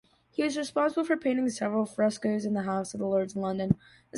He was responsible for painting several frescos in the House of Lords in London.